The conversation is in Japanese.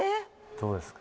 どうですか？